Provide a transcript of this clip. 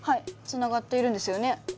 つながっているんですよね？